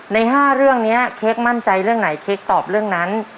ใน๕เรื่องนี้เค้กมั่นใจเรื่องไหนเค้กตอบเรื่องนั้น